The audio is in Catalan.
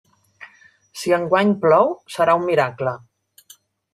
Si enguany plou, serà un miracle.